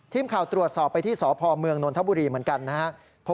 ทีมข่าวตรวจสอบไปที่สพเมืองนนทบุรีเหมือนกันนะครับ